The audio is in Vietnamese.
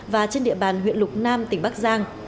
và trên địa bàn huyện lục nam tỉnh bắc giang